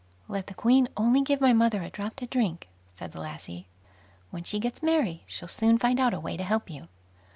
"Let the Queen only give my mother a drop to drink," said the lassie; "when she gets merry she'll soon find out a way to help you."